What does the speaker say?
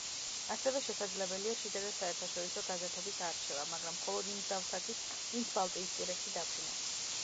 ასევე შესაძლებელია შიდა და საერთაშორისო გაზეთების არჩევა, მაგრამ მხოლოდ იმ მგზავრთათვის, ვინც ბალტიისპირეთში დაფრინავს.